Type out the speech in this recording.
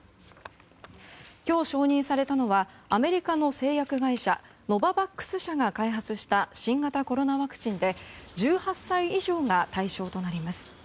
今日、承認されたのはアメリカの製薬会社ノババックス社が開発した新型コロナワクチンで１８歳以上が対象となります。